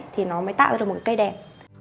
thì nó mới tạo ra được một cây đẹp